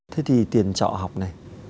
thế thì tiền trọ học này